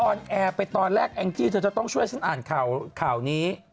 อนแอร์ไปตอนแรกแองจี้เธอจะต้องช่วยฉันอ่านข่าวนี้